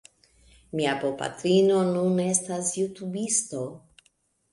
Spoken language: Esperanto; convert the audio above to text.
Mia bopatrino nun estas jutubisto